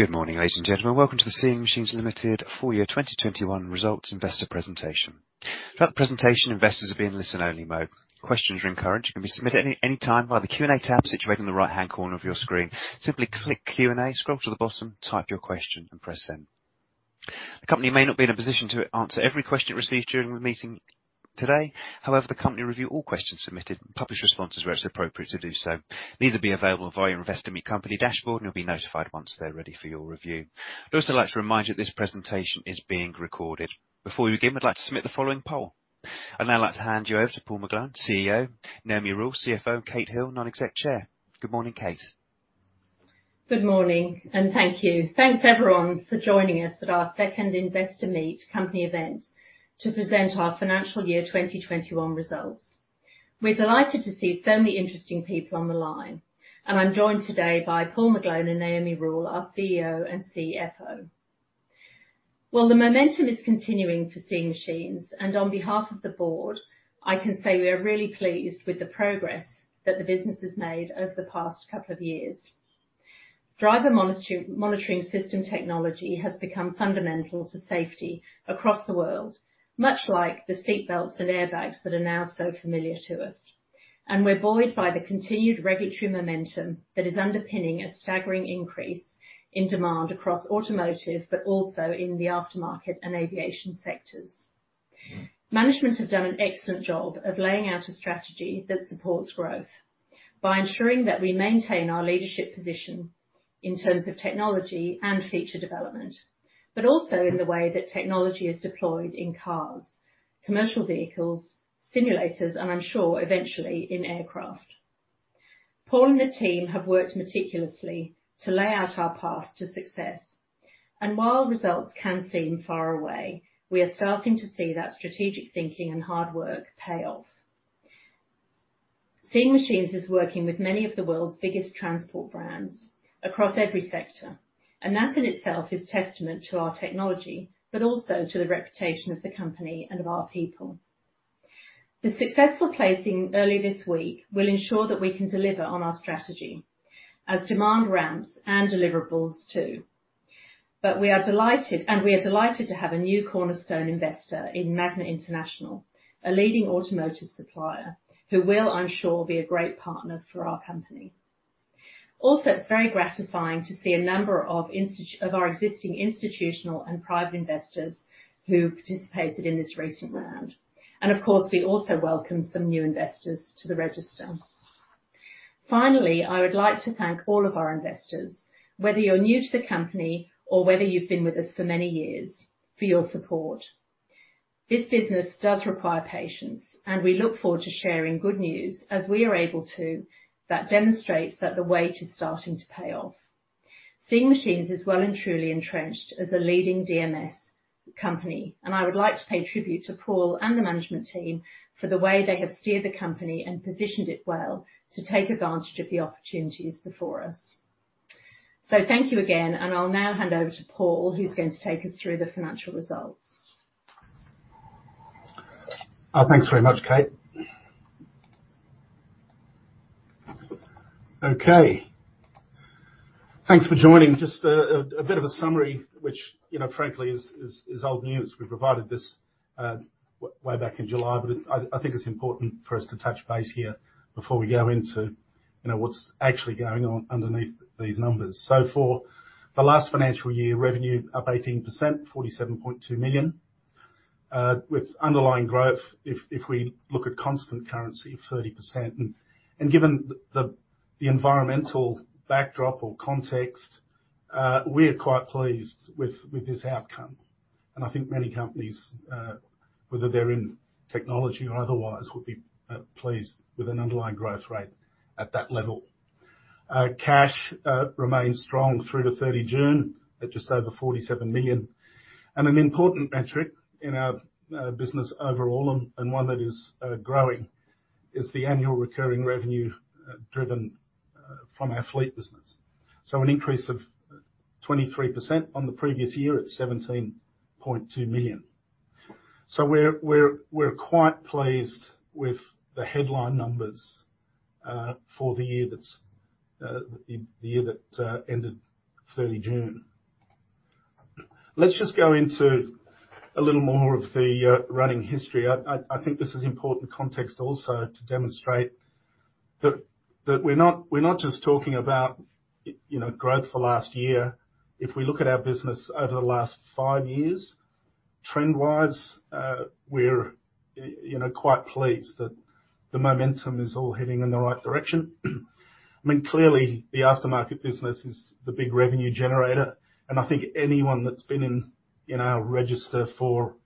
Good morning, ladies and gentlemen. Welcome to the Seeing Machines Limited full year 2021 results investor presentation. Throughout the presentation, investors will be in listen-only mode. Questions are encouraged and can be submitted any time by the Q&A tab situated in the right-hand corner of your screen. Simply click Q&A, scroll to the bottom, type your question, and press send. The company may not be in a position to answer every question received during the meeting today. However, the company will review all questions submitted, and will publish responses where it's appropriate to do so. These will be available via your Investor Meet Company dashboard. You'll be notified once they're ready for your review. I'd also like to remind you this presentation is being recorded. Before we begin, I'd like to submit the following poll. I'd now like to hand you over to Paul McGlone, CEO, Naomi Rule, CFO, Kate Hill, Non-Executive Chair. Good morning, Kate. Good morning, and thank you. Thanks everyone for joining us at our second Investor Meet Company event to present our financial year 2021 results. We're delighted to see so many interesting people on the line, and I'm joined today by Paul McGlone and Naomi Rule, our CEO and CFO. Well, the momentum is continuing for Seeing Machines, and on behalf of the board, I can say we are really pleased with the progress that the business has made over the past couple of years. Driver monitoring system technology has become fundamental to safety across the world, much like the seatbelts and airbags that are now so familiar to us. We're buoyed by the continued regulatory momentum that is underpinning a staggering increase in demand across automotive, but also in the aftermarket, and aviation sectors. Management has done an excellent job of laying out a strategy that supports growth by ensuring that we maintain our leadership position in terms of technology and future development, but also in the way that technology is deployed in cars, commercial vehicles, simulators, and I'm sure eventually in aircraft. Paul and the team have worked meticulously to lay out our path to success. While results can seem far away, we are starting to see that strategic thinking and hard work pay off. Seeing Machines is working with many of the world's biggest transport brands across every sector, and that in itself is testament to our technology, but also to the reputation of the company and of our people. The successful placing earlier this week will ensure that we can deliver on our strategy as demand ramps and deliverables too. We are delighted to have a new cornerstone investor in Magna International, a leading automotive supplier, who will, I'm sure, be a great partner for our company. Also, it's very gratifying to see a number of our existing institutional and private investors who participated in this recent round. Of course, we also welcome some new investors to the register. Finally, I would like to thank all of our investors, whether you're new to the company or whether you've been with us for many years, for your support. This business does require patience, and we look forward to sharing good news as we are able to, that demonstrates that the wait is starting to pay off. Seeing Machines is well and truly entrenched as a leading DMS company, and I would like to pay tribute to Paul and the management team for the way they have steered the company, and positioned it well to take advantage of the opportunities before us. Thank you again, and I'll now hand over to Paul, who's going to take us through the financial results. Thanks very much, Kate. Okay. Thanks for joining. Just a bit of a summary, which, you know, frankly is old news. We provided this way back in July, but I think it's important for us to touch base here before we go into, you know, what's actually going on underneath these numbers. For the last financial year, revenue up 18%, 47.2 million, with underlying growth, if we look at constant currency, 30%. Given the environmental backdrop or context, we are quite pleased with this outcome. I think many companies, whether they're in technology or otherwise, would be pleased with an underlying growth rate at that level. Cash remains strong through to 30 June at just over 47 million. An important metric in our business overall and one that is growing is the annual recurring revenue driven from our fleet business. An increase of 23% on the previous year at 17.2 million. We're quite pleased with the headline numbers for the year that ended 30 June. Let's just go into a little more of the recent history. I think this is important context also to demonstrate that we're not just talking about, you know, growth for last year. If we look at our business over the last five years, trend-wise, we're you know quite pleased that the momentum is all heading in the right direction. I mean, clearly the aftermarket business is the big revenue generator, and I think anyone that's been in our register for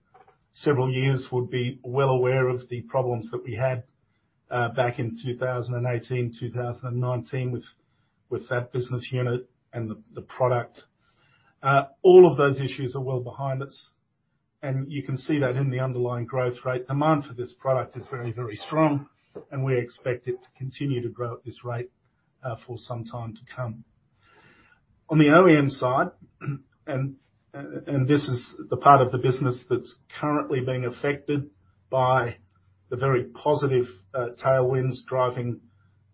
several years would be well aware of the problems that we had back in 2018, 2019 with that business unit and the product. All of those issues are well behind us, and you can see that in the underlying growth rate. Demand for this product is very, very strong, and we expect it to continue to grow at this rate for some time to come. On the OEM side, this is the part of the business that's currently being affected by the very positive tailwinds driving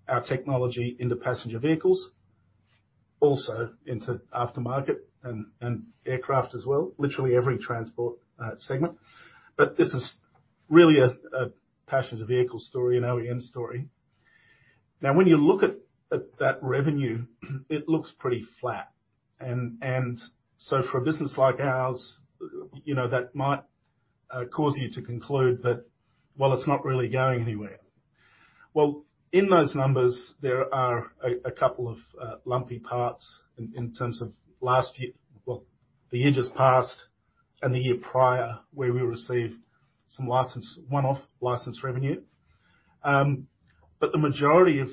our technology into passenger vehicles, also into aftermarket and aircraft as well, literally every transport segment. This is really a passenger vehicle story, an OEM story. Now, when you look at that revenue, it looks pretty flat. For a business like ours, you know, that might cause you to conclude that, well, it's not really going anywhere. Well, in those numbers, there are a couple of lumpy parts in terms of last year, the year just past and the year prior, where we received some license, one-off license revenue. But the majority of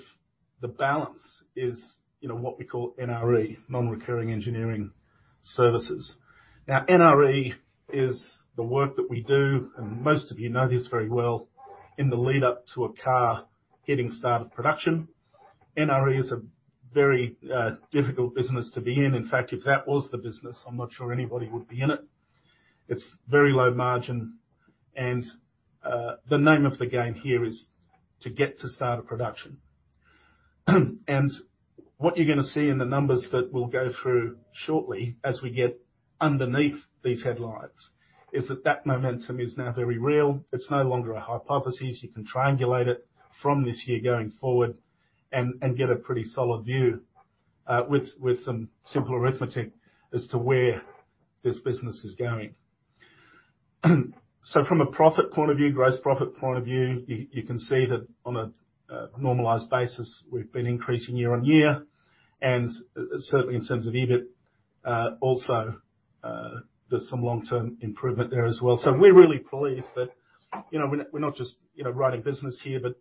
the balance is, you know, what we call NRE, non-recurring engineering services. Now, NRE is the work that we do, and most of you know this very well, in the lead-up to a car getting started production. NRE is a very difficult business to be in. In fact, if that was the business, I'm not sure anybody would be in it. It's very low margin and the name of the game here is to get to starter production. What you're gonna see in the numbers that we'll go through shortly as we get underneath these headlines is that that momentum is now very real. It's no longer a hypothesis. You can triangulate it from this year going forward and get a pretty solid view with some simple arithmetic as to where this business is going. From a profit point of view, gross profit point of view, you can see that on a normalized basis, we've been increasing year-on-year. Certainly in terms of EBIT, also there's some long-term improvement there as well. We're really pleased that, you know, we're not just, you know, writing business here, but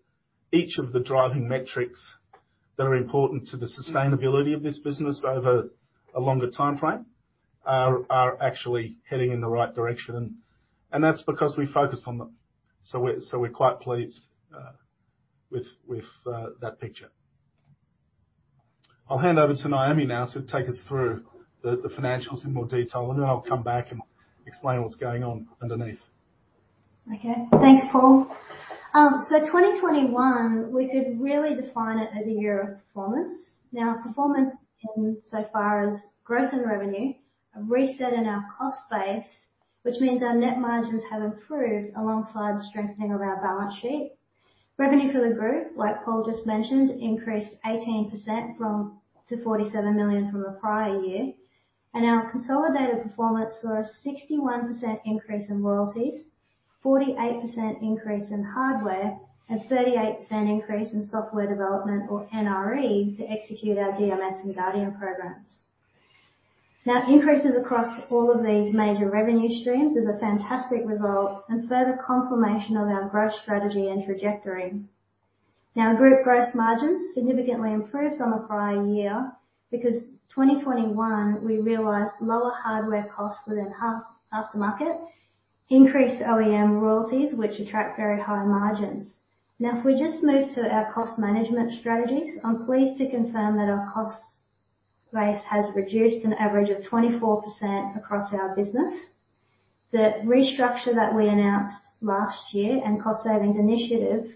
each of the driving metrics that are important to the sustainability of this business over a longer timeframe are actually heading in the right direction. That's because we focused on them. We're quite pleased with that picture. I'll hand over to Naomi now to take us through the financials in more detail, and then I'll come back and explain what's going on underneath. Okay. Thanks, Paul. 2021, we could really define it as a year of performance. Now, performance in so far as growth in revenue, a reset in our cost base, which means our net margins have improved alongside the strengthening of our balance sheet. Revenue for the group, like Paul just mentioned, increased 18% to 47 million from the prior year. Our consolidated performance saw a 61% increase in royalties, 48% increase in hardware, and 38% increase in software development or NRE to execute our DMS and Guardian programs. Now, increases across all of these major revenue streams is a fantastic result and further confirmation of our growth strategy and trajectory. Now, group gross margins significantly improved on the prior year because 2021, we realized lower hardware costs within aftermarket, increased OEM royalties, which attract very high margins. Now, if we just move to our cost management strategies, I'm pleased to confirm that our cost base has reduced an average of 24% across our business. The restructure that we announced last year and cost savings initiative,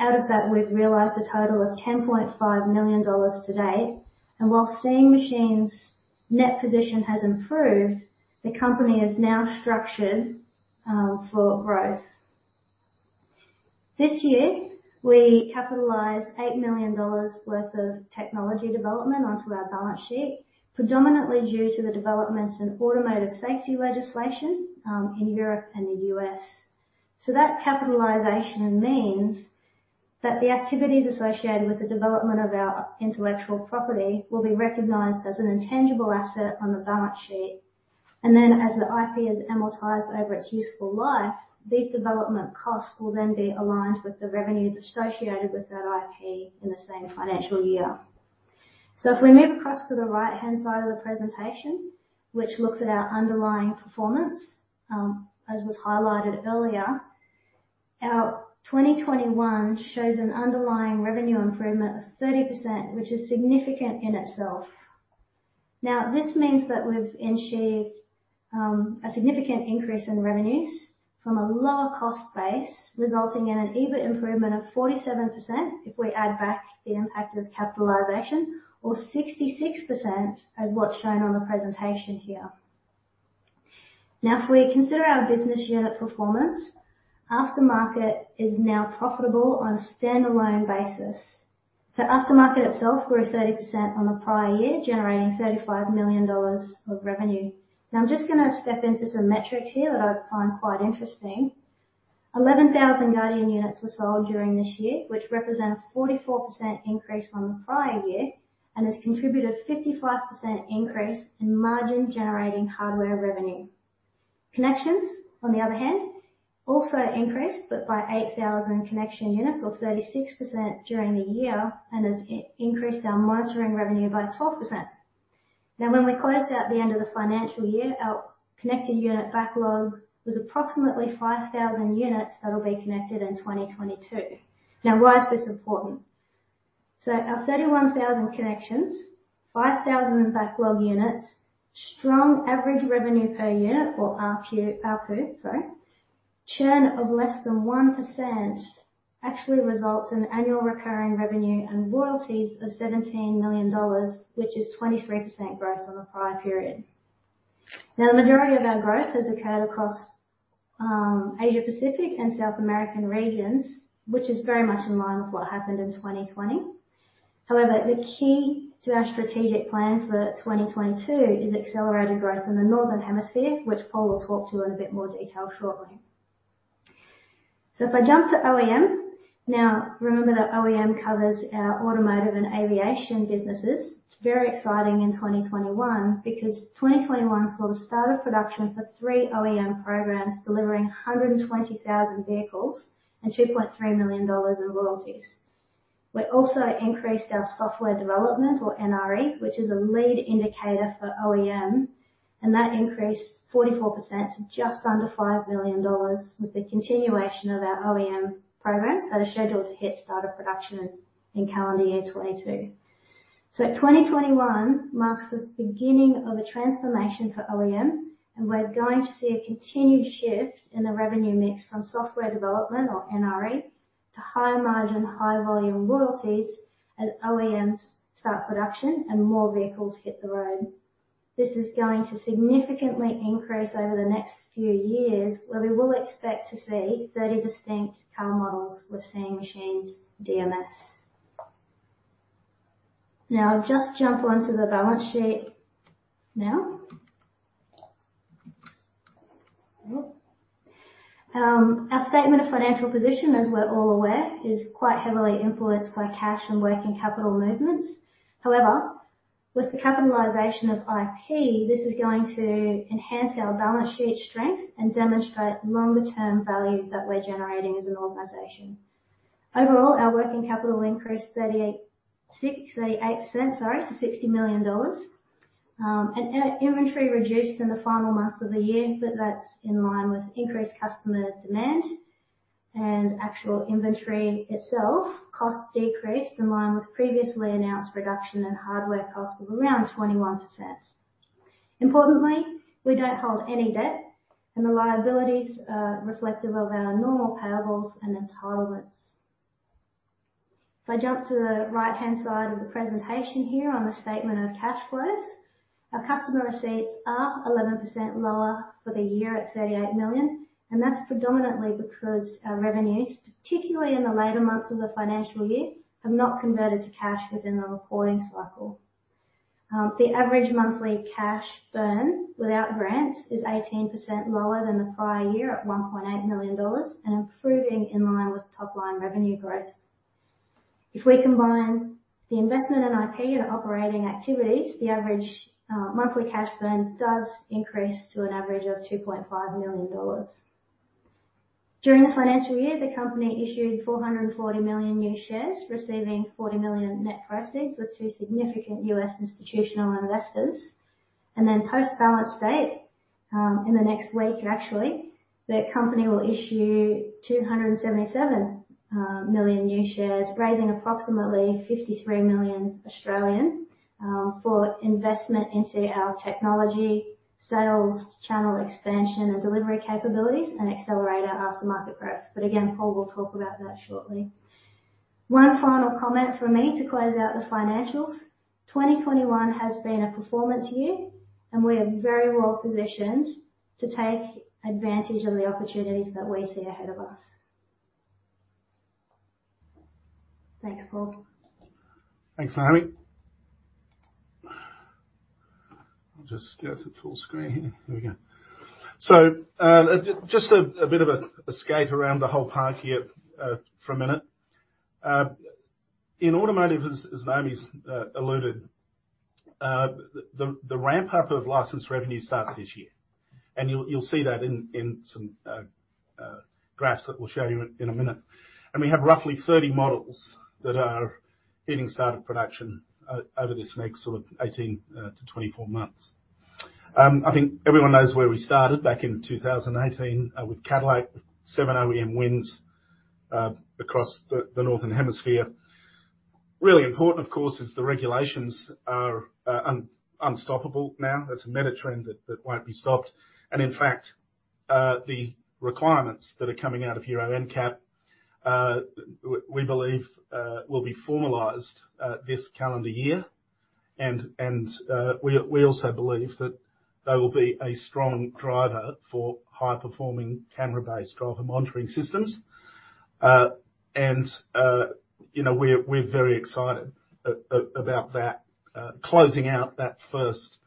out of that, we've realized a total of $10.5 million today. While Seeing Machines' net position has improved, the company is now structured for growth. This year, we capitalized $8 million worth of technology development onto our balance sheet, predominantly due to the developments in automotive safety legislation in Europe and the U.S. That capitalization means that the activities associated with the development of our intellectual property will be recognized as an intangible asset on the balance sheet. As the IP is amortized over its useful life, these development costs will then be aligned with the revenues associated with that IP in the same financial year. If we move across to the right-hand side of the presentation, which looks at our underlying performance, as was highlighted earlier, our 2021 shows an underlying revenue improvement of 30%, which is significant in itself. This means that we've achieved a significant increase in revenues from a lower cost base, resulting in an EBIT improvement of 47% if we add back the impact of capitalization or 66% as what's shown on the presentation here. If we consider our business unit performance, Aftermarket is now profitable on a standalone basis. Aftermarket itself grew 30% on the prior year, generating $35 million of revenue. Now, I'm just gonna step into some metrics here that I find quite interesting. 11,000 Guardian units were sold during this year, which represent a 44% increase on the prior year and has contributed 55% increase in margin-generating hardware revenue. Connections, on the other hand, also increased, but by 8,000 connection units or 36% during the year and has increased our monitoring revenue by 12%. Now, when we closed out the end of the financial year, our connected unit backlog was approximately 5,000 units that'll be connected in 2022. Now, why is this important? Our 31,000 connections, 5,000 backlog units, strong average revenue per unit or ARPU, sorry, churn of less than 1% actually results in annual recurring revenue and royalties of $17 million, which is 23% growth on the prior period. The majority of our growth has occurred across Asia Pacific and South American regions, which is very much in line with what happened in 2020. However, the key to our strategic plan for 2022 is accelerated growth in the Northern Hemisphere, which Paul will talk to in a bit more detail shortly. If I jump to OEM. Now, remember that OEM covers our automotive and aviation businesses. It's very exciting in 2021 because 2021 saw the start of production for three OEM programs, delivering 120,000 vehicles and $2.3 million in royalties. We also increased our software development or NRE, which is a lead indicator for OEM, and that increased 44% to just under $5 million with the continuation of our OEM programs that are scheduled to hit start of production in calendar year 2022. 2021 marks the beginning of a transformation for OEM, and we're going to see a continued shift in the revenue mix from software development or NRE to higher margin, high volume royalties as OEMs start production and more vehicles hit the road. This is going to significantly increase over the next few years, where we will expect to see 30 distinct car models with Seeing Machines DMS. Now I'll just jump onto the balance sheet. Our statement of financial position, as we're all aware, is quite heavily influenced by cash and working capital movements. However, with the capitalization of IP, this is going to enhance our balance sheet strength, and demonstrate longer term value that we're generating as an organization. Overall, our working capital increased 38% to $60 million. Inventory reduced in the final months of the year, but that's in line with increased customer demand. Actual inventory itself cost decreased in line with previously announced reduction in hardware cost of around 21%. Importantly, we don't hold any debt and the liabilities are reflective of our normal payables and entitlements. If I jump to the right-hand side of the presentation here on the statement of cash flows, our customer receipts are 11% lower for the year at 38 million, and that's predominantly because our revenues, particularly in the later months of the financial year, have not converted to cash within the reporting cycle. The average monthly cash burn without grants is 18% lower than the prior year at $1.8 million and improving in line with top line revenue growth. If we combine the investment in IP and operating activities, the average monthly cash burn does increase to an average of $2.5 million. During the financial year, the company issued 440 million new shares, receiving 40 million net proceeds with two significant U.S. institutional investors. Post-balance date, in the next week actually, the company will issue 277 million new shares, raising approximately 53 million for investment into our technology, sales, channel expansion and delivery capabilities, and accelerate our aftermarket growth. Again, Paul will talk about that shortly. One final comment from me to close out the financials. 2021 has been a performance year, and we are very well positioned to take advantage of the opportunities that we see ahead of us. Thanks, Paul. Thanks, Naomi. I'll just go to full screen here. There we go. Just a bit of a skate around the whole park here for a minute. In automotive, as Naomi's alluded, the ramp-up of licensed revenue starts this year, and you'll see that in some graphs that we'll show you in a minute. We have roughly 30 models that are hitting start of production over this next sort of 18 to 24 months. I think everyone knows where we started back in 2018 with Cadillac, 7 OEM wins across the Northern Hemisphere. Really important, of course, is the regulations are unstoppable now. That's a megatrend that won't be stopped. In fact, the requirements that are coming out of Euro NCAP, we believe, will be formalized this calendar year. We also believe that they will be a strong driver for high-performing camera-based driver monitoring systems. You know, we're very excited about that, closing out that first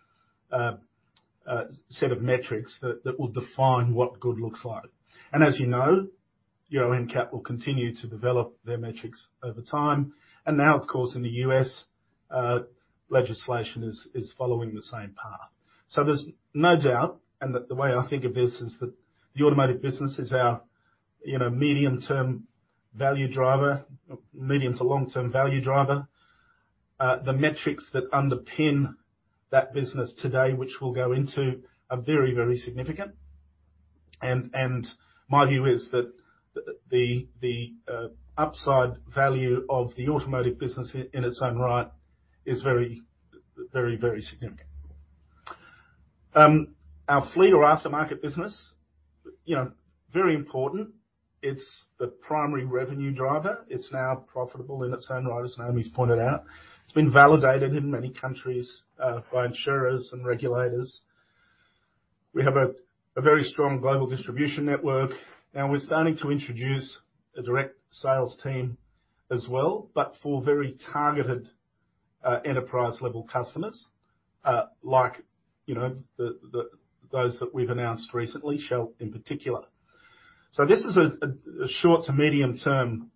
set of metrics that will define what good looks like. As you know, Euro NCAP will continue to develop their metrics over time. Now, of course, in the U.S., legislation is following the same path. There's no doubt, and the way I think of this is that the automotive business is our, you know, medium-term value driver. Medium to long-term value driver. The metrics that underpin that business today, which we'll go into, are very, very significant. My view is that the upside value of the automotive business in its own right is very, very, very significant. Our fleet or aftermarket business, you know, very important. It's the primary revenue driver. It's now profitable in its own right, as Naomi's pointed out. It's been validated in many countries by insurers and regulators. We have a very strong global distribution network, and we're starting to introduce a direct sales team as well, but for very targeted enterprise-level customers, like, you know, those that we've announced recently, Shell in particular. This is a short to medium term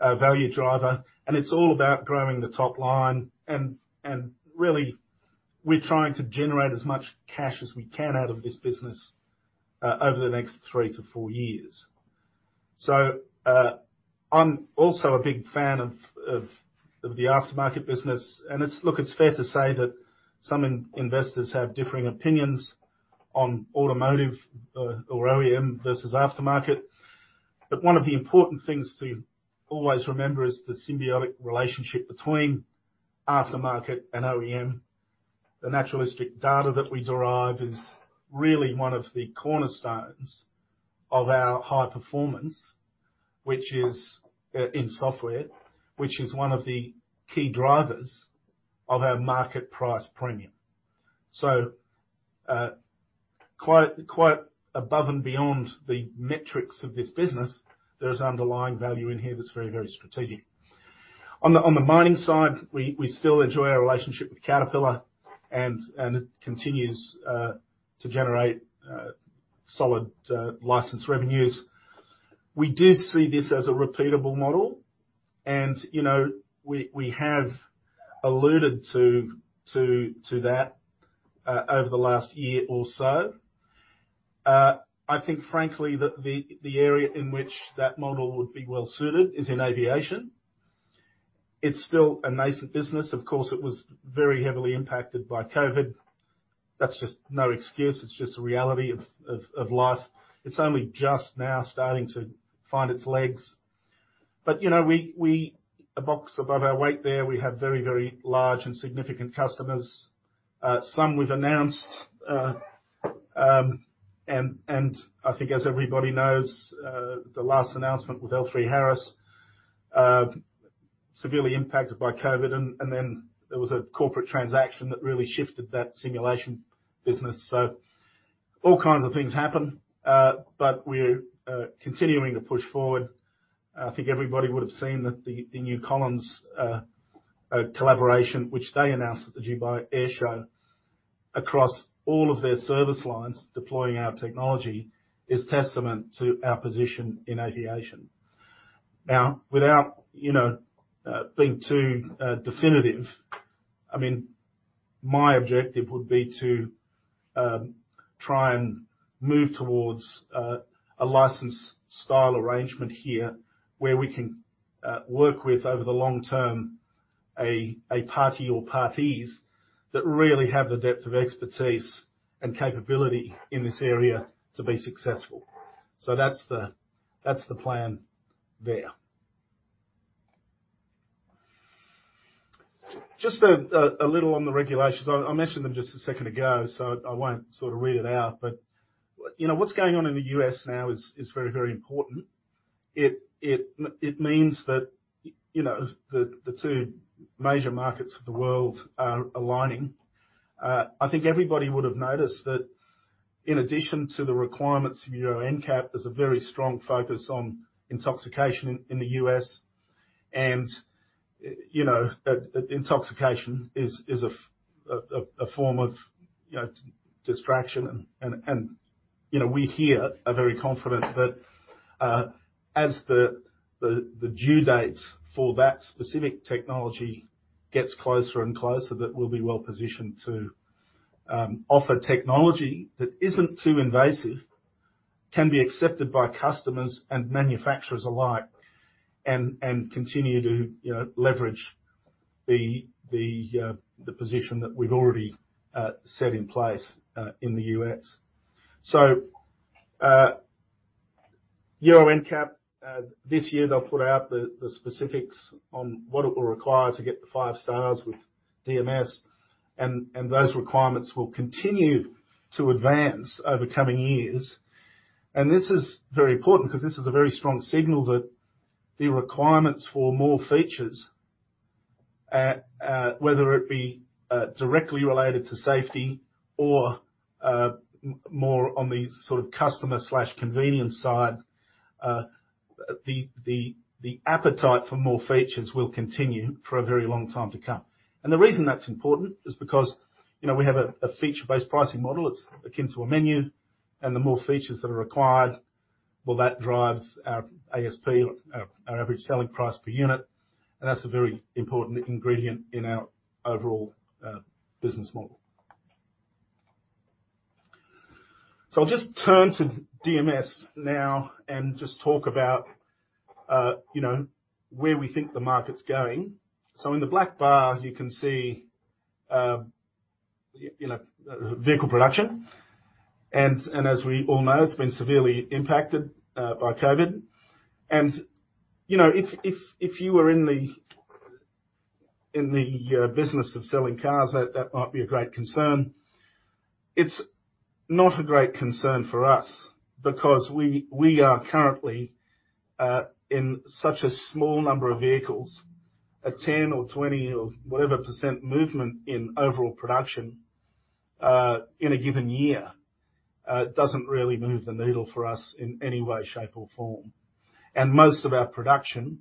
value driver, and it's all about growing the top line. Really, we're trying to generate as much cash as we can out of this business over the next three to four years. I'm also a big fan of the aftermarket business. It's fair to say that some investors have differing opinions on automotive or OEM versus aftermarket. One of the important things to always remember is the symbiotic relationship between aftermarket and OEM. The naturalistic data that we derive is really one of the cornerstones of our high performance, which is in software, which is one of the key drivers of our market price premium. Quite above and beyond the metrics of this business, there is underlying value in here that's very strategic. On the mining side, we still enjoy our relationship with Caterpillar and it continues to generate solid license revenues. We do see this as a repeatable model. You know, we have alluded to that over the last year or so. I think, frankly, the area in which that model would be well suited is in aviation. It's still a nascent business. Of course, it was very heavily impacted by COVID. That's just no excuse. It's just a reality of life. It's only just now starting to find its legs. You know, we punch above our weight there. We have very large and significant customers, some we've announced. I think as everybody knows, the last announcement with L3Harris, severely impacted by COVID, and then there was a corporate transaction that really shifted that simulation business. All kinds of things happen, but we're continuing to push forward. I think everybody would have seen that the Collins Aerospace collaboration, which they announced at the Dubai Airshow, across all of their service lines deploying our technology, is testament to our position in aviation. Now, without you know being too definitive, I mean, my objective would be to try and move towards a license style arrangement here where we can work with over the long term, a party or parties that really have the depth of expertise and capability in this area to be successful. That's the plan there. Just a little on the regulations. I mentioned them just a second ago, so I won't sort of read it out. You know, what's going on in the U.S. now is very, very important. It means that, you know, the two major markets of the world are aligning. I think everybody would have noticed that in addition to the requirements of Euro NCAP, there's a very strong focus on intoxication in the U.S. You know, intoxication is a form of, you know, distraction. you know, we here are very confident that, as the due dates for that specific technology gets closer and closer, that we'll be well positioned to offer technology that isn't too invasive, can be accepted by customers and manufacturers alike and continue to, you know, leverage the position that we've already set in place in the U.S. Euro NCAP this year they'll put out the specifics on what it will require to get the five stars with DMS, and those requirements will continue to advance over coming years. This is very important because this is a very strong signal that the requirements for more features, whether it be, directly related to safety or, more on the sort of customer/convenience side, the appetite for more features will continue for a very long time to come. The reason that's important is because, you know, we have a feature-based pricing model. It's akin to a menu, and the more features that are required, well, that drives our ASP, our average selling price per unit, and that's a very important ingredient in our overall business model. I'll just turn to DMS now and just talk about, you know, where we think the market's going. In the black bar, you can see, you know, vehicle production. As we all know, it's been severely impacted by COVID. You know, if you were in the business of selling cars, that might be a great concern. It's not a great concern for us because we are currently in such a small number of vehicles. A 10 or 20 or whatever % movement in overall production in a given year doesn't really move the needle for us in any way, shape, or form. Most of our production,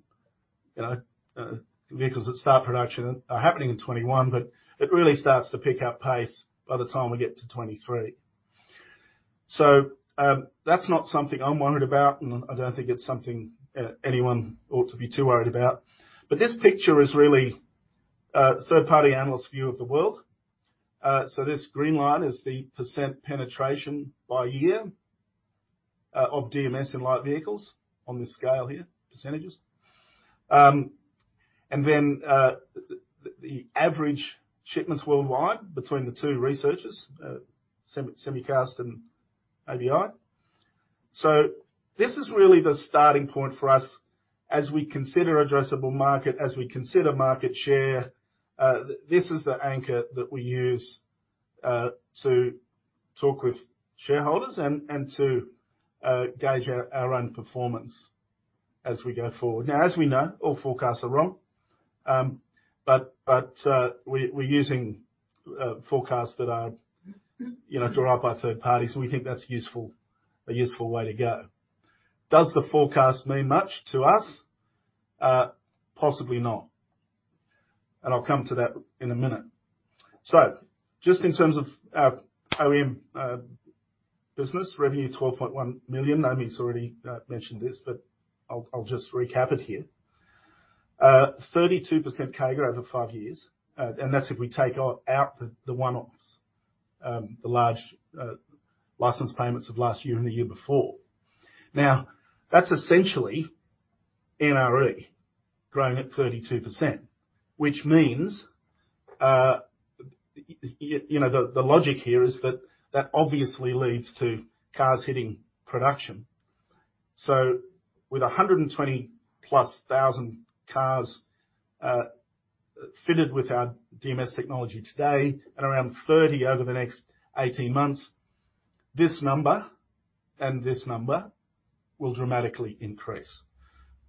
you know, vehicles that start production are happening in 2021, but it really starts to pick up pace by the time we get to 2023. That's not something I'm worried about, and I don't think it's something anyone ought to be too worried about. This picture is really a third-party analyst view of the world. This green line is the % penetration by year of DMS in light vehicles on this scale here, %. Then the average shipments worldwide between the two researchers, Semicast and ABI. This is really the starting point for us as we consider addressable market, as we consider market share. This is the anchor that we use to talk with shareholders and to gauge our own performance as we go forward. Now, as we know, all forecasts are wrong. We're using forecasts that are, you know, drawn up by third parties. We think that's useful, a useful way to go. Does the forecast mean much to us? Possibly not, and I'll come to that in a minute. Just in terms of our OEM business revenue, 12.1 million. Naomi's already mentioned this, but I'll just recap it here. 32% CAGR over five years. And that's if we take out the one-offs, the large license payments of last year, and the year before. Now, that's essentially NRE growing at 32%. Which means, you know, the logic here is that that obviously leads to cars hitting production. With 120,000+ cars fitted with our DMS technology today and around 30 over the next eighteen months, this number and this number will dramatically increase.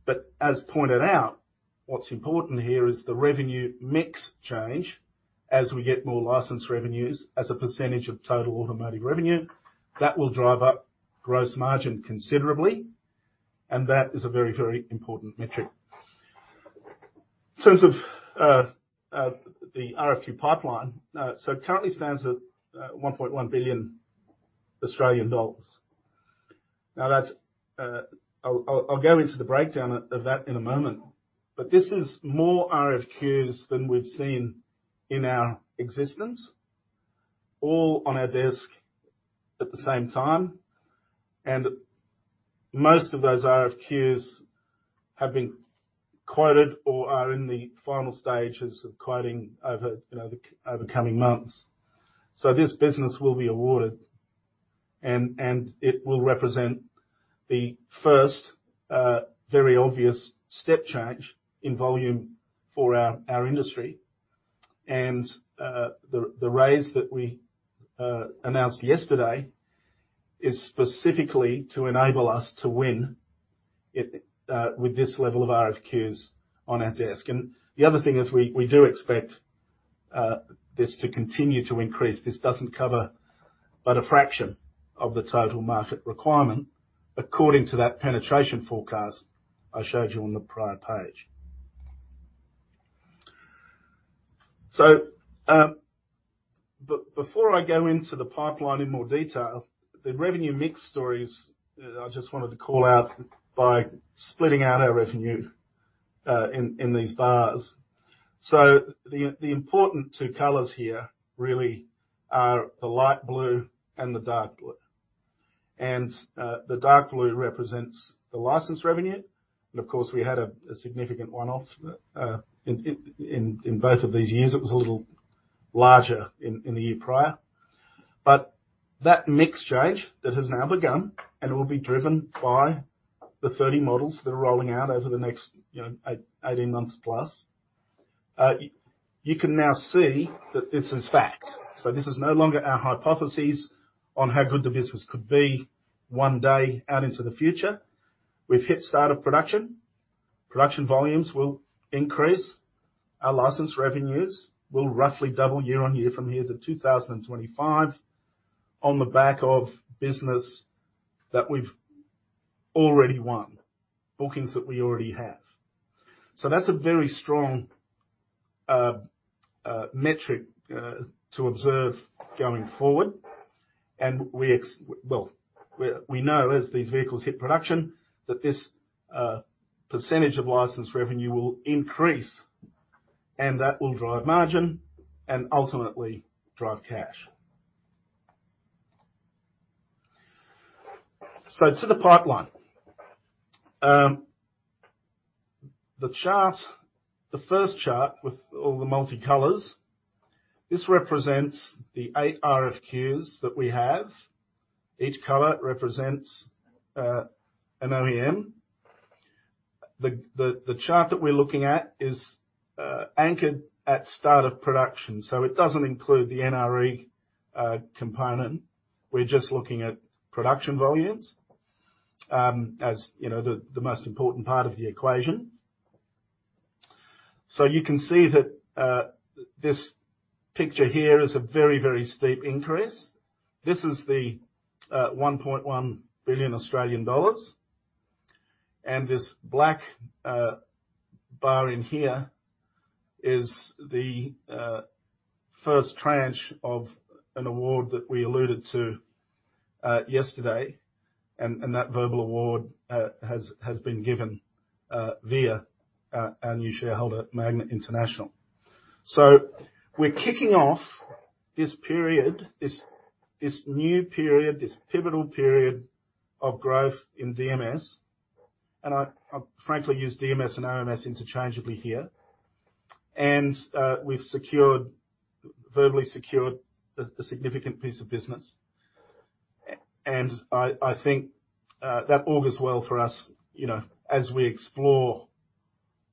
But as pointed out, what's important here is the revenue mix change as we get more license revenues as a percentage of total automotive revenue. That will drive up gross margin considerably, and that is a very, very important metric. In terms of the RFQ pipeline, so it currently stands at 1.1 billion Australian dollars. Now that's, I'll go into the breakdown of that in a moment, but this is more RFQs than we've seen in our existence, all on our desk at the same time. Most of those RFQs have been quoted or are in the final stages of quoting over, you know, over coming months. This business will be awarded and it will represent the first very obvious step change in volume for our industry. The raise that we announced yesterday is specifically to enable us to win it with this level of RFQs on our desk. The other thing is we do expect this to continue to increase. This doesn't cover but a fraction of the total market requirement according to that penetration forecast I showed you on the prior page. Before I go into the pipeline in more detail, the revenue mix stories, I just wanted to call out by splitting out our revenue in these bars. The important two colors here really are the light blue and the dark blue. The dark blue represents the license revenue. Of course, we had a significant one-off in both of these years. It was a little larger in the year prior. That mix change that has now begun and will be driven by the 30 models that are rolling out over the next, you know, 18 months plus. You can now see that this is fact. This is no longer our hypothesis on how good the business could be one day out into the future. We've hit start of production. Production volumes will increase. Our license revenues will roughly double year-on-year from here to 2025 on the back of business that we've already won, bookings that we already have. That's a very strong metric to observe going forward. We know as these vehicles hit production, that this percentage of license revenue will increase and that will drive margin and ultimately drive cash. To the pipeline. The chart, the first chart with all the multicolors, this represents the 8 RFQs that we have. Each color represents an OEM. The chart that we're looking at is anchored at start of production, so it doesn't include the NRE component. We're just looking at production volumes as you know the most important part of the equation. You can see that this picture here is a very steep increase. This is the 1.1 billion Australian dollars. This black bar in here is the first tranche of an award that we alluded to yesterday, and that verbal award has been given via our new shareholder, Magna International. We're kicking off this period, this new period, this pivotal period of growth in DMS, and I frankly use DMS and OMS interchangeably here. We've verbally secured a significant piece of business. I think that augurs well for us, you know, as we explore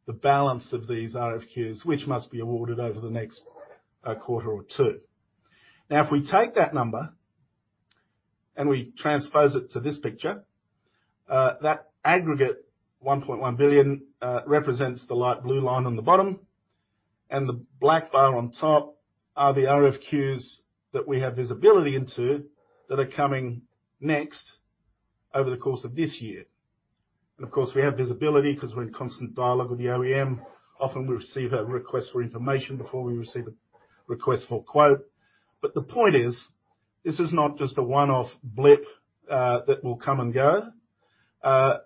the balance of these RFQs, which must be awarded over the next quarter or two. Now, if we take that number and we transpose it to this picture, that aggregate $1.1 billion represents the light blue line on the bottom, and the black bar on top are the RFQs that we have visibility into that are coming next over the course of this year. Of course, we have visibility 'cause we're in constant dialogue with the OEM. Often we receive a request for information before we receive a request for quote. The point is, this is not just a one-off blip that will come and go.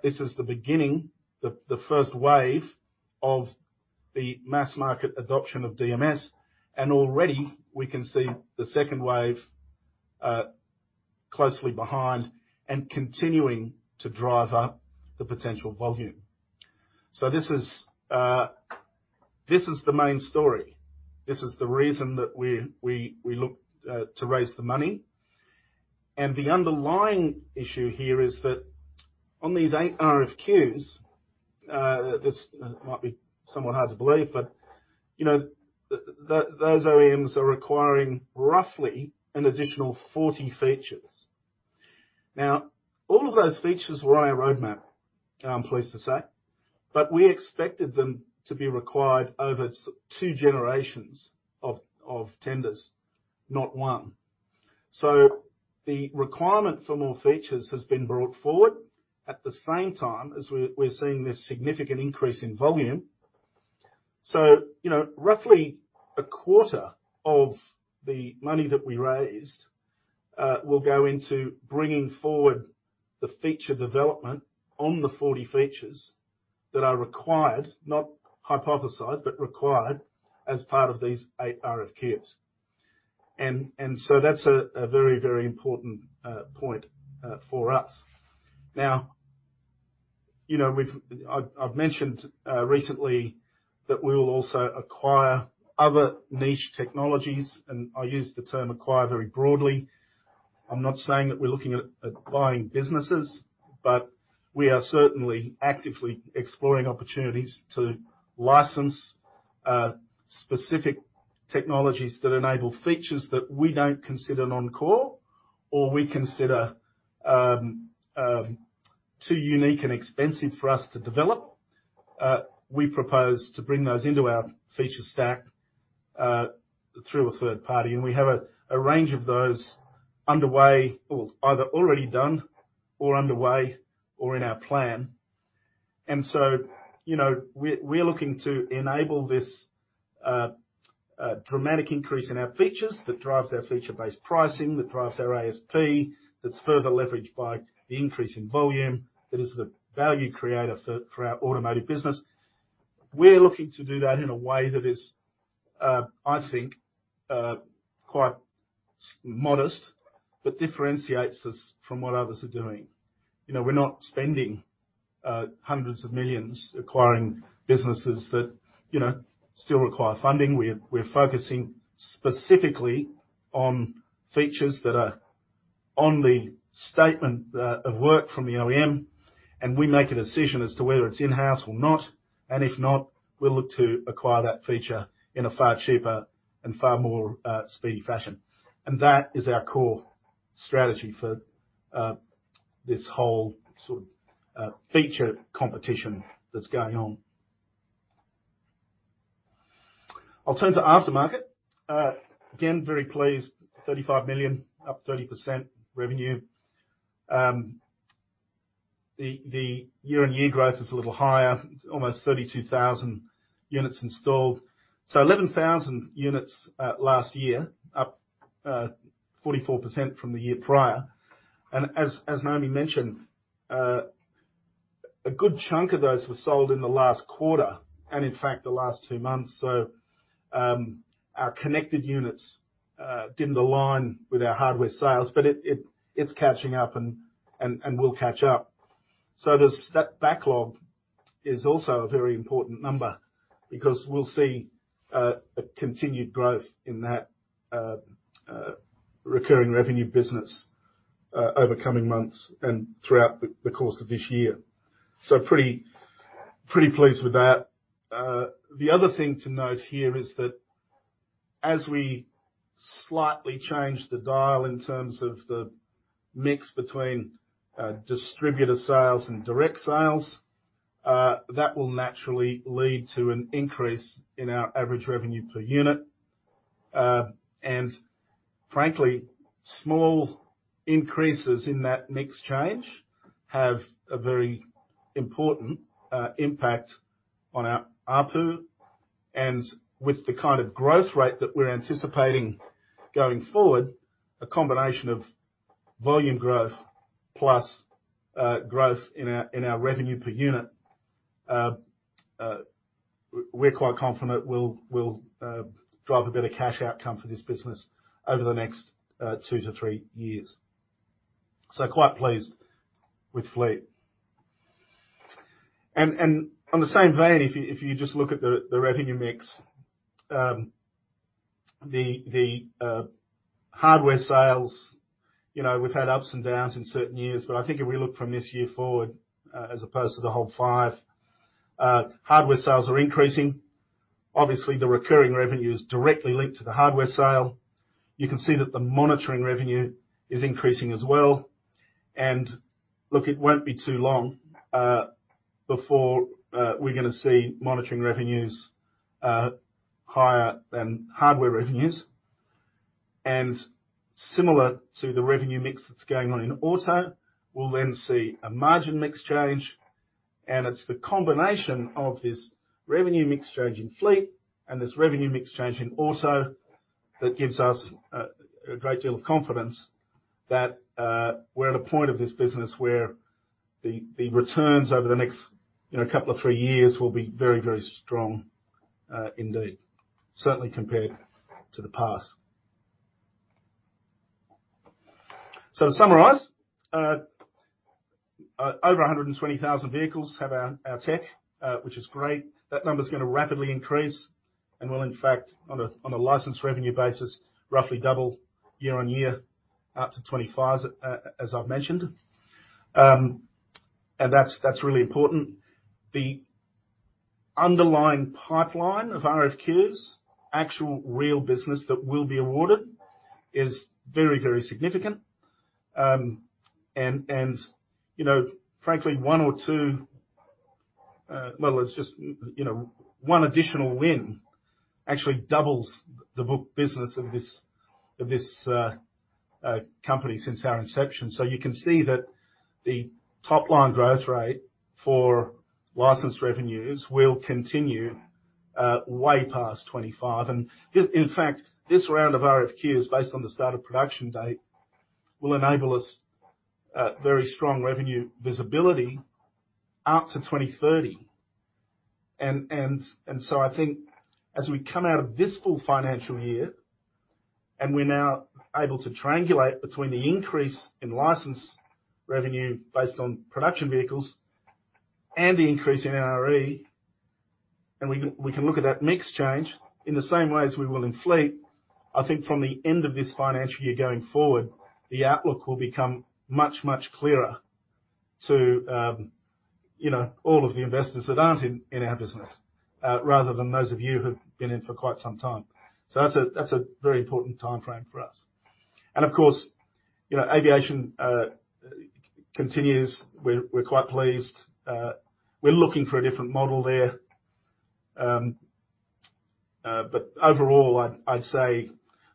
This is the beginning, the first wave of the mass market adoption of DMS, and already we can see the second wave closely behind and continuing to drive up the potential volume. This is the main story. This is the reason that we looked to raise the money. The underlying issue here is that on these 8 RFQs, this might be somewhat hard to believe, but, you know, those OEMs are requiring roughly an additional 40 features. Now, all of those features were on our roadmap, I'm pleased to say, but we expected them to be required over two generations of tenders, not one. The requirement for more features has been brought forward at the same time as we're seeing this significant increase in volume. You know, roughly a quarter of the money that we raised will go into bringing forward the feature development on the 40 features that are required, not hypothesized, but required as part of these 8 RFQs. That's a very important point for us. Now, you know, I've mentioned recently that we will also acquire other niche technologies, and I use the term acquire very broadly. I'm not saying that we're looking at buying businesses, but we are certainly actively exploring opportunities to license specific technologies that enable features that we don't consider non-core or we consider too unique and expensive for us to develop. We propose to bring those into our feature stack through a third party, and we have a range of those either already done or underway or in our plan. You know, we're looking to enable this dramatic increase in our features that drives our feature-based pricing, that drives our ASP, that's further leveraged by the increase in volume, that is the value creator for our automotive business. We're looking to do that in a way that is, I think, quite modest, but differentiates us from what others are doing. You know, we're not spending hundreds of millions acquiring businesses that still require funding. We're focusing specifically on features that are on the statement of work from the OEM, and we make a decision as to whether it's in-house or not. If not, we'll look to acquire that feature in a far cheaper and far more speedy fashion. That is our core strategy for this whole sort of feature competition that's going on. I'll turn to aftermarket. Again, very pleased. $35 million revenue, up 30%. The year-on-year growth is a little higher, almost 32,000 units installed. Eleven thousand units last year, up 44% from the year prior. As Naomi mentioned, a good chunk of those were sold in the last quarter, and in fact, the last two months. Our connected units didn't align with our hardware sales, but it's catching up and will catch up. That backlog is also a very important number because we'll see a continued growth in that recurring revenue business over coming months and throughout the course of this year. Pretty pleased with that. The other thing to note here is that as we slightly change the dial in terms of the mix between distributor sales and direct sales, that will naturally lead to an increase in our average revenue per unit. Frankly, small increases in that mix change have a very important impact on our ARPU. With the kind of growth rate that we're anticipating going forward, a combination of volume growth plus growth in our revenue per unit, we're quite confident we'll drive a better cash outcome for this business over the next two to three years. Quite pleased with fleet. In the same vein, if you just look at the revenue mix, the hardware sales, you know, we've had ups and downs in certain years, but I think if we look from this year forward, as opposed to the whole five, hardware sales are increasing. Obviously, the recurring revenue is directly linked to the hardware sale. You can see that the monitoring revenue is increasing as well. Look, it won't be too long before we're gonna see monitoring revenues higher than hardware revenues. Similar to the revenue mix that's going on in auto, we'll then see a margin mix change, and it's the combination of this revenue mix change in fleet and this revenue mix change in auto that gives us a great deal of confidence that we're at a point of this business where the returns over the next, you know, couple of three years will be very, very strong indeed, certainly compared to the past. To summarize, over 120,000 vehicles have our tech, which is great. That number is gonna rapidly increase and will in fact, on a licensed revenue basis, roughly double year on year up to 25, as I've mentioned. That's really important. The underlying pipeline of RFQs, actual real business that will be awarded is very, very significant. You know, frankly, one or 2, well, it's just, you know, 1 additional win actually doubles the book business of this company since our inception. You can see that the top line growth rate for licensed revenues will continue way past 25. In fact, this round of RFQs based on the start of production date will enable us very strong revenue visibility out to 2030. I think as we come out of this full financial year, and we're now able to triangulate between the increase in license revenue based on production vehicles and the increase in ARR, and we can look at that mix change in the same way as we will in fleet. I think from the end of this financial year going forward, the outlook will become much clearer to, you know, all of the investors that aren't in our business, rather than those of you who've been in for quite some time. That's a very important timeframe for us. Of course, you know, aviation continues. We're quite pleased. We're looking for a different model there. Overall, I'd say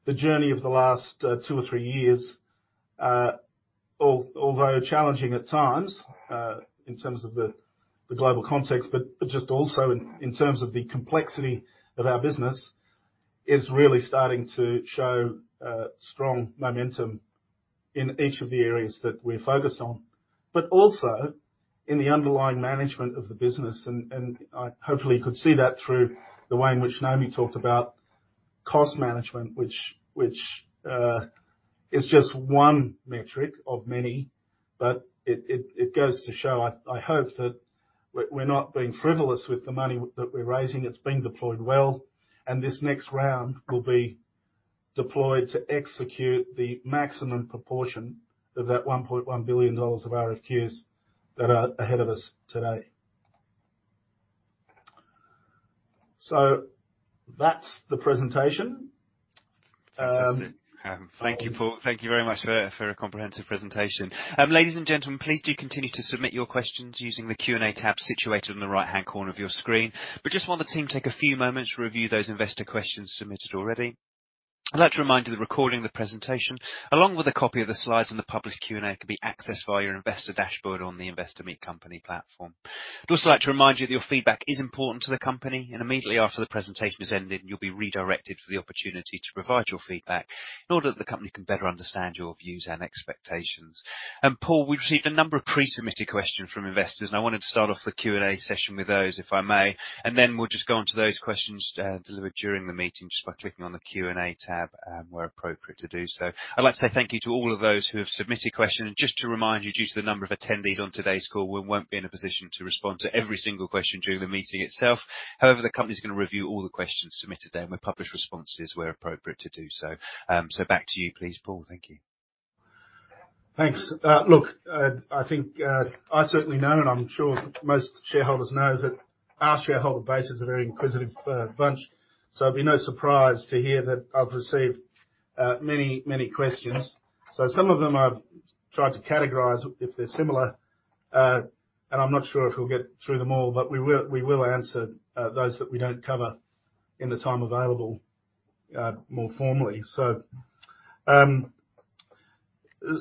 the journey of the last two or three years, although challenging at times in terms of the global context, but just also in terms of the complexity of our business, is really starting to show strong momentum in each of the areas that we're focused on, but also in the underlying management of the business. I hope you could see that through the way in which Naomi talked about cost management, which is just one metric of many, but it goes to show, I hope that we're not being frivolous with the money that we're raising. It's being deployed well, and this next round will be deployed to execute the maximum proportion of that $1.1 billion of RFQs that are ahead of us today. That's the presentation. Fantastic. Thank you, Paul. Thank you very much for a comprehensive presentation. Ladies and gentlemen, please do continue to submit your questions using the Q&A tab situated in the right-hand corner of your screen. We just want the team to take a few moments to review those investor questions submitted already. I'd like to remind you the recording of the presentation, along with a copy of the slides and the published Q&A, can be accessed via your investor dashboard on the Investor Meet Company platform. I'd also like to remind you that your feedback is important to the company, and immediately after the presentation has ended, you'd be redirected for the opportunity to provide your feedback in order that the company can better understand your views and expectations. Paul, we've received a number of pre-submitted questions from investors, and I wanted to start off the Q&A session with those, if I may, and then we'll just go on to those questions, delivered during the meeting just by clicking on the Q&A tab, where appropriate to do so. I'd like to say thank you to all of those who have submitted questions. Just to remind you, due to the number of attendees on today's call, we won't be in a position to respond to every single question during the meeting itself. However, the company's gonna review all the questions submitted, and we'll publish responses where appropriate to do so. Back to you, please, Paul. Thank you. Thanks. Look, I think I certainly know, and I'm sure most shareholders know that our shareholder base is a very inquisitive bunch, so it'll be no surprise to hear that I've received many questions. Some of them I've tried to categorize if they're similar, and I'm not sure if we'll get through them all, but we will answer those that we don't cover in the time available more formally. In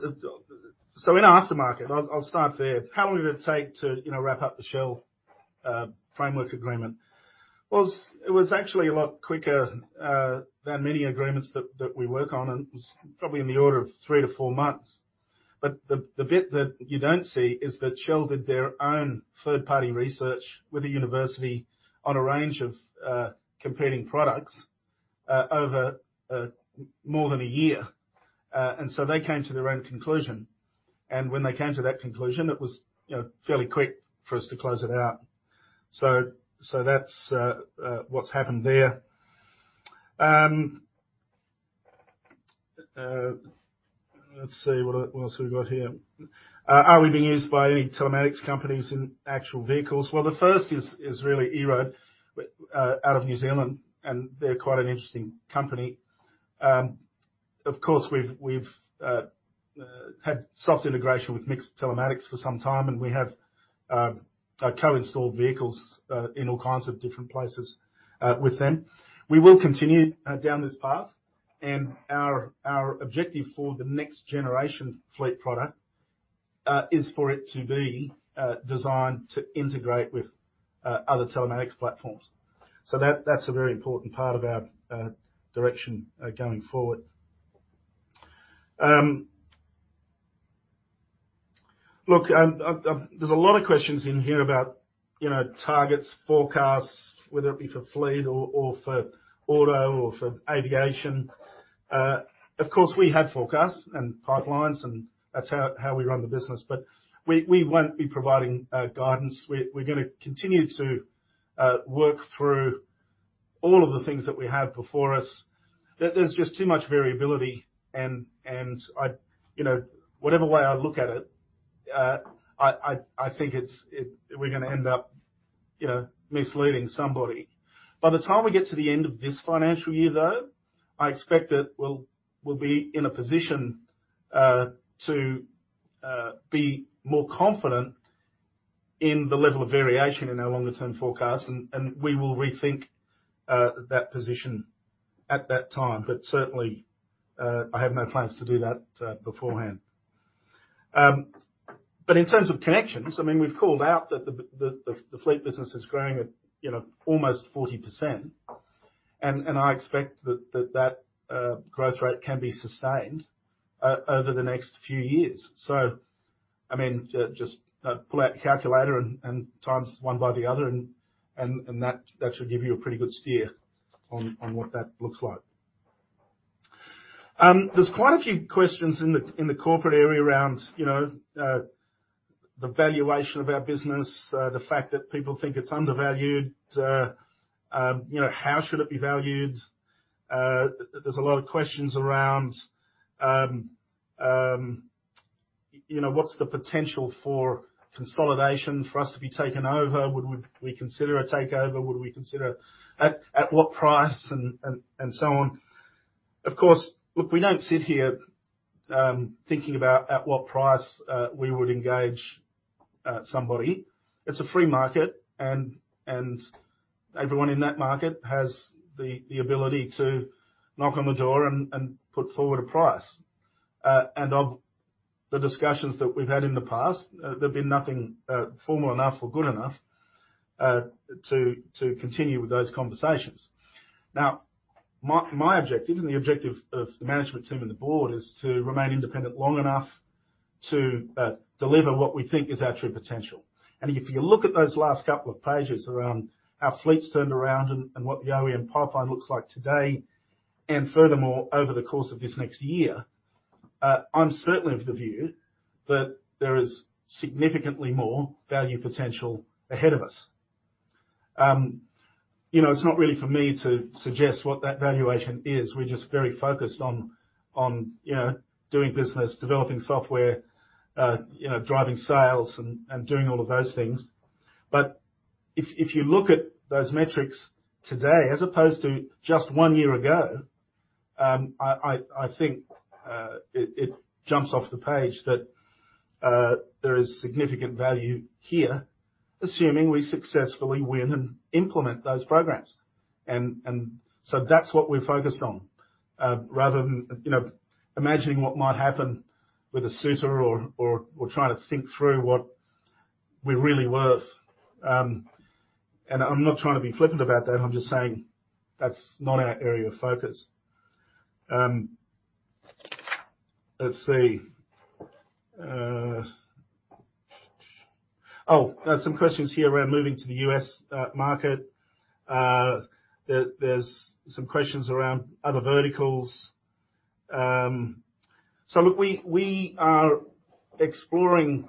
our aftermarket, I'll start there. How long did it take to, you know, wrap up the Shell framework agreement? Well, it was actually a lot quicker than many agreements that we work on, and it was probably in the order of three to four months. The bit that you don't see is that Shell did their own third-party research with a university on a range of competing products over more than a year. They came to their own conclusion, and when they came to that conclusion, it was, you know, fairly quick for us to close it out. That's what's happened there. Let's see, what else have we got here? Are we being used by any telematics companies in actual vehicles? Well, the first is really EROAD out of New Zealand, and they're quite an interesting company. Of course, we've had soft integration with MiX Telematics for some time, and we have co-installed vehicles in all kinds of different places with them. We will continue down this path. Our objective for the next generation fleet product is for it to be designed to integrate with other telematics platforms. That’s a very important part of our direction going forward. There’s a lot of questions in here about, you know, targets, forecasts, whether it be for fleet or for auto or for aviation. Of course, we have forecasts and pipelines, and that’s how we run the business. We won’t be providing guidance. We’re gonna continue to work through all of the things that we have before us, that there’s just too much variability and I think it’s we’re gonna end up, you know, misleading somebody. By the time we get to the end of this financial year, though, I expect that we'll be in a position to be more confident in the level of variation in our longer term forecasts, and we will rethink that position at that time. I have no plans to do that beforehand. In terms of connections, I mean, we've called out that the fleet business is growing at, you know, almost 40%. I expect that growth rate can be sustained over the next few years. I mean, just pull out your calculator and times one by the other and that should give you a pretty good steer on what that looks like. There's quite a few questions in the corporate area around, you know, the valuation of our business, the fact that people think it's undervalued, you know, how should it be valued? There's a lot of questions around, you know, what's the potential for consolidation, for us to be taken over? Would we consider a takeover? At what price? And so on. Of course, look, we don't sit here thinking about at what price we would engage somebody. It's a free market and everyone in that market has the ability to knock on the door and put forward a price. And of the discussions that we've had in the past, there've been nothing formal enough or good enough to continue with those conversations. Now, my objective and the objective of the management team and the board is to remain independent long enough to deliver what we think is our true potential. If you look at those last couple of pages around how fleet's turned around and what the OEM pipeline looks like today, and furthermore, over the course of this next year, I'm certainly of the view that there is significantly more value potential ahead of us. You know, it's not really for me to suggest what that valuation is. We're just very focused on you know, doing business, developing software, you know, driving sales and doing all of those things. If you look at those metrics today as opposed to just one year ago, I think it jumps off the page that there is significant value here, assuming we successfully win and implement those programs. So that's what we're focused on. Rather than you know imagining what might happen with a suitor or trying to think through what we're really worth. I'm not trying to be flippant about that. I'm just saying that's not our area of focus. Let's see. Oh, there are some questions here around moving to the U.S. market. There's some questions around other verticals. Look, we are exploring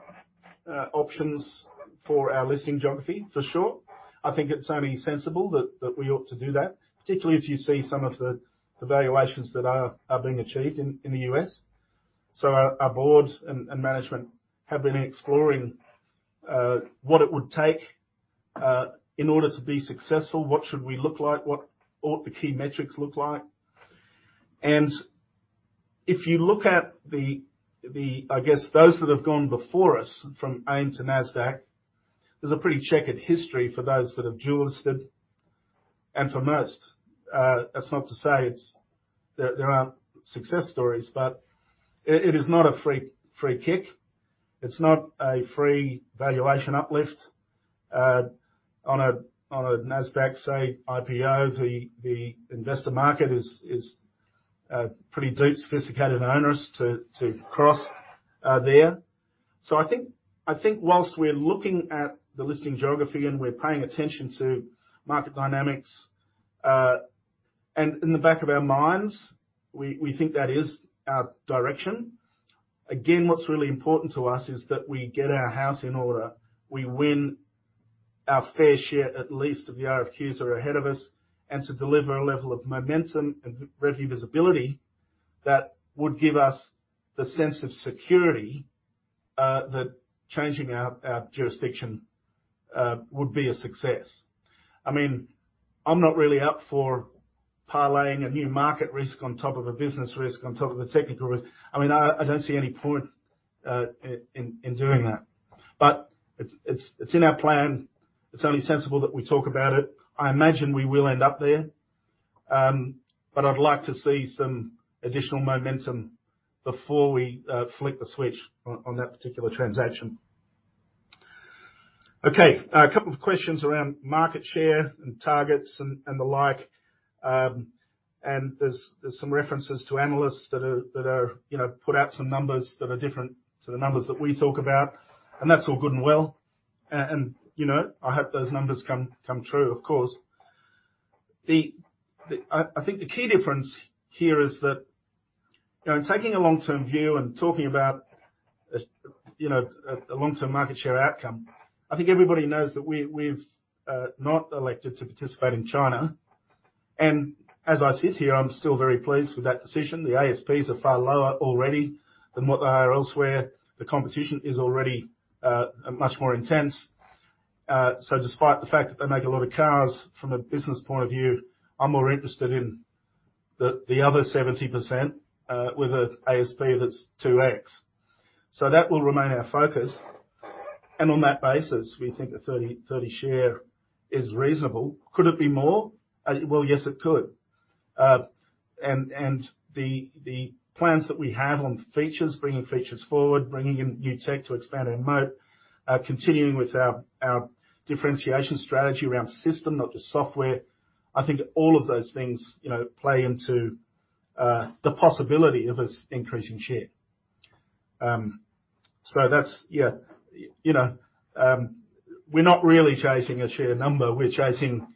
options for our listing geography for sure. I think it's only sensible that we ought to do that, particularly as you see some of the valuations that are being achieved in the U.S. Our board and management have been exploring what it would take in order to be successful, what should we look like? What ought the key metrics look like? If you look at the, I guess, those that have gone before us from AIM to Nasdaq, there's a pretty checkered history for those that have dual listed and for most. That's not to say there aren't success stories, but it is not a free kick. It's not a free valuation uplift. On a Nasdaq, say, IPO, the investor market is pretty sophisticated and onerous to cross there. I think while we're looking at the listing geography, and we're paying attention to market dynamics, and in the back of our minds, we think that is our direction. Again, what's really important to us is that we get our house in order. We win our fair share, at least of the RFQs that are ahead of us, and to deliver a level of momentum and reliability that would give us the sense of security that changing our jurisdiction would be a success. I mean, I'm not really up for parlaying a new market risk on top of a business risk on top of a technical risk. I mean, I don't see any point in doing that. But it's in our plan. It's only sensible that we talk about it. I imagine we will end up there. I'd like to see some additional momentum before we flip the switch on that particular transaction. Okay, a couple of questions around market share and targets and the like. There's some references to analysts that are you know put out some numbers that are different to the numbers that we talk about, and that's all good and well. You know, I hope those numbers come true, of course. I think the key difference here is that you know in taking a long-term view and talking about you know a long-term market share outcome, I think everybody knows that we've not elected to participate in China. As I sit here, I'm still very pleased with that decision. The ASPs are far lower already than what they are elsewhere. The competition is already much more intense. Despite the fact that they make a lot of cars from a business point of view, I'm more interested in the other 70% with an ASP that's 2x. That will remain our focus. On that basis, we think a 30% share is reasonable. Could it be more? Well, yes, it could. The plans that we have on features, bringing features forward, bringing in new tech to expand our moat, continuing with our differentiation strategy around system, not just software. I think all of those things, you know, play into the possibility of us increasing share. That's yeah. You know, we're not really chasing a share number. We're chasing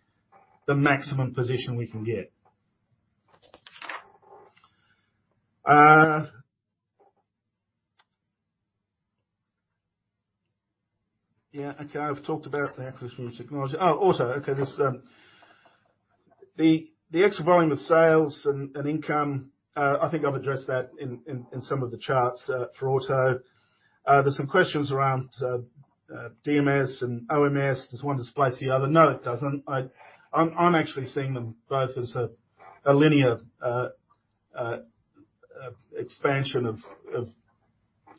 the maximum position we can get. Yeah. Okay. I've talked about the acquisition technology. There's the extra volume of sales and income. I think I've addressed that in some of the charts for auto. There's some questions around DMS and OMS. Does one displace the other? No, it doesn't. I'm actually seeing them both as a linear expansion of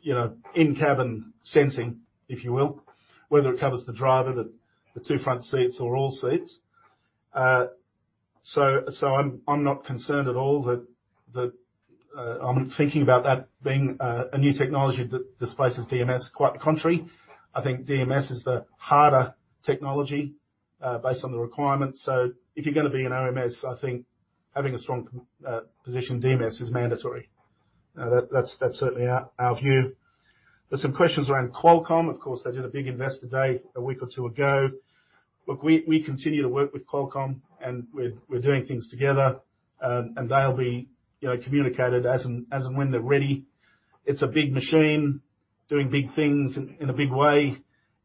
you know in-cabin sensing, if you will, whether it covers the driver, the two front seats or all seats. I'm not concerned at all that I'm thinking about that being a new technology that displaces DMS. Quite the contrary. I think DMS is the harder technology based on the requirements. If you're gonna be an OMS, I think having a strong position in DMS is mandatory. That's certainly our view. There's some questions around Qualcomm. Of course, they did a big Investor Day a week or two ago. Look, we continue to work with Qualcomm, and we're doing things together. They'll be, you know, communicated as and when they're ready. It's a big machine doing big things in a big way,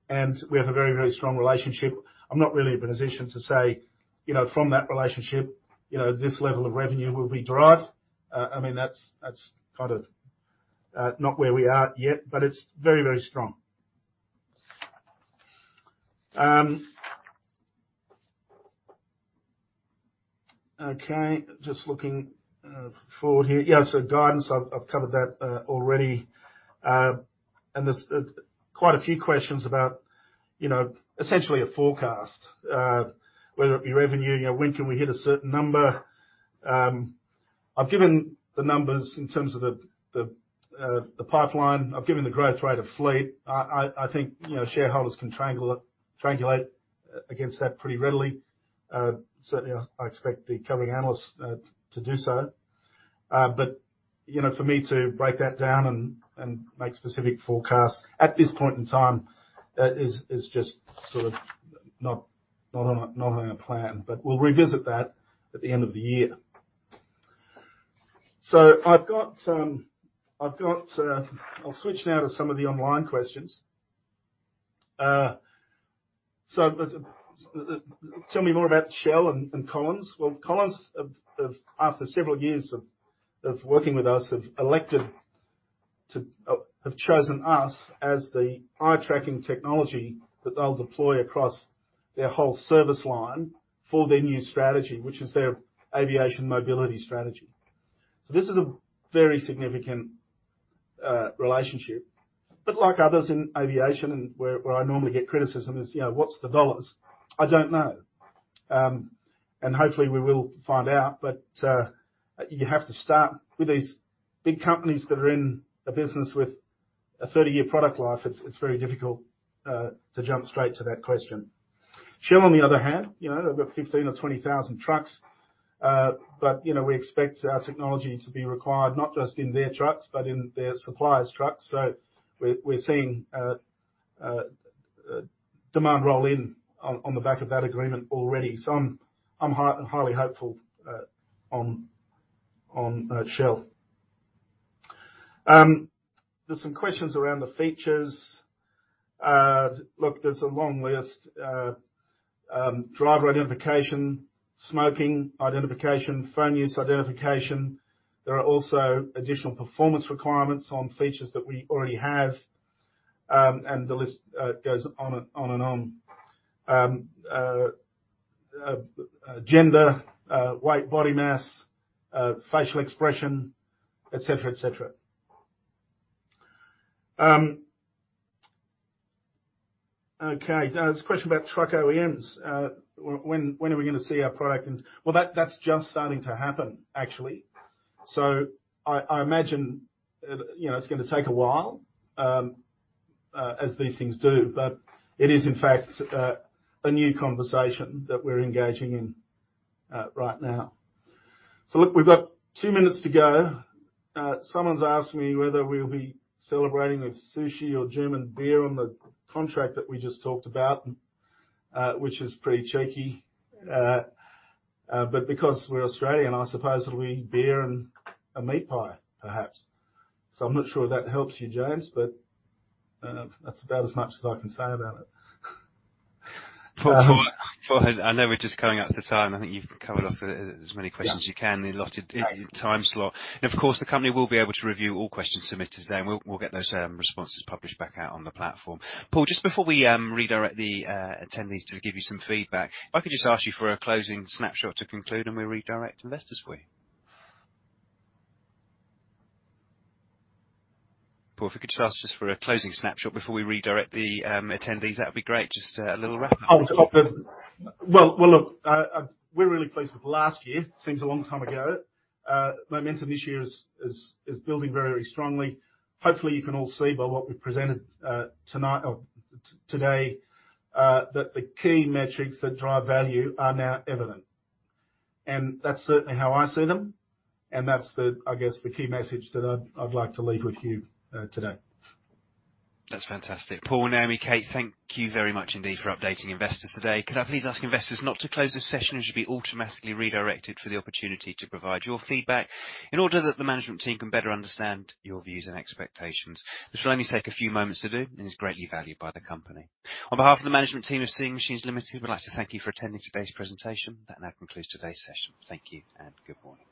and we have a very strong relationship. I'm not really in a position to say, you know, from that relationship, you know, this level of revenue will be derived. I mean, that's kind of not where we are yet, but it's very strong. Okay, just looking forward here. Yeah, guidance, I've covered that already. There's quite a few questions about, you know, essentially a forecast, whether it be revenue, you know, when can we hit a certain number. I've given the numbers in terms of the pipeline. I've given the growth rate of fleet. I think, you know, shareholders can triangulate against that pretty readily. Certainly I expect the covering analysts to do so. You know, for me to break that down and make specific forecasts at this point in time is just sort of not on our plan. We'll revisit that at the end of the year. I'll switch now to some of the online questions. Tell me more about Shell and Collins. Well, Collins have after several years of working with us chosen us as the eye tracking technology that they'll deploy across their whole service line for their new strategy, which is their aviation mobility strategy. This is a very significant relationship. Like others in aviation, where I normally get criticism is, you know, what's the dollars? I don't know. Hopefully we will find out. You have to start with these big companies that are in a business with a 30-year product life. It's very difficult to jump straight to that question. Shell, on the other hand, you know, they've got 15 or 20,000 trucks. You know, we expect our technology to be required not just in their trucks but in their suppliers' trucks. We're seeing demand roll in on the back of that agreement already. I'm highly hopeful on Shell. There's some questions around the features. Look, there's a long list. Driver identification, smoking identification, phone use identification. There are also additional performance requirements on features that we already have. The list goes on and on. Gender, weight, body mass, facial expression, et cetera, et cetera. Okay, now there's a question about truck OEMs. When are we gonna see our product? Well, that's just starting to happen actually. I imagine, you know, it's gonna take a while as these things do, but it is in fact a new conversation that we're engaging in right now. Look, we've got two minutes to go. Someone's asked me whether we'll be celebrating with sushi or German beer on the contract that we just talked about, which is pretty cheeky. Because we're Australian, I suppose it'll be beer and a meat pie, perhaps. I'm not sure if that helps you, James, but that's about as much as I can say about it. Paul, I know we're just coming up to time. I think you've covered off as many questions as you can in the allotted time slot. Of course, the company will be able to review all questions submitted today, and we'll get those responses published back out on the platform. Paul, just before we redirect the attendees to give you some feedback, if I could just ask you for a closing snapshot to conclude, and we redirect investors for you. Paul, if we could just ask for a closing snapshot before we redirect the attendees, that'd be great. Just a little wrap up. Well, look, we're really pleased with last year. It seems a long time ago. Momentum this year is building very strongly. Hopefully, you can all see by what we presented tonight or today that the key metrics that drive value are now evident. That's certainly how I see them, and that's, I guess, the key message that I'd like to leave with you today. That's fantastic. Paul McGlone, Naomi Rule, Kate Hill, thank you very much indeed for updating investors today. Could I please ask investors not to close this session? You should be automatically redirected for the opportunity to provide your feedback in order that the management team can better understand your views and expectations. This will only take a few moments to do and is greatly valued by the company. On behalf of the management team of Seeing Machines Limited, we'd like to thank you for attending today's presentation. That now concludes today's session. Thank you and good morning.